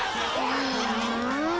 ああ。